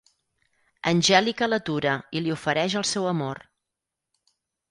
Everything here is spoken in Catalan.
Angèlica l'atura i li ofereix el seu amor.